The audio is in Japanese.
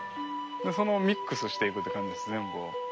そのミックスしていくって感じです全部を。